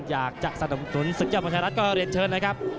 อยากจะสนุนศึกยอดมหัวชายรัฐก็เลียนเชิญนะครับ